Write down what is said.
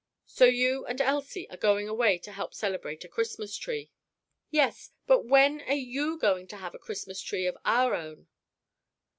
So you and Elsie are going away to help celebrate a Christmas Tree." "Yes; but when are you going to have a Christmas Tree of our own?"